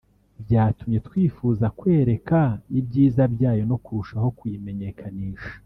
byatumye twifuza kwereka ibyiza byayo no kurushaho kuyimenyekanisha